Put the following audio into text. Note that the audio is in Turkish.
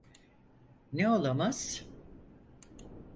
Ne olamaz?